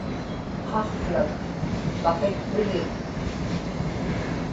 qaqłak paqitpigik